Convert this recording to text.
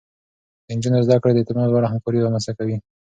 د نجونو زده کړه د اعتماد وړ همکاري رامنځته کوي.